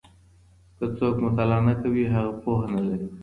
که څوک مطالعه نه کوي، هغه پوهه نه لري.